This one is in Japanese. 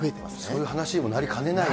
そういう話にもなりかねない